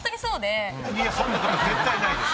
いやそんなこと絶対ないです。